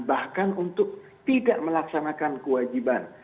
bahkan untuk tidak melaksanakan kewajiban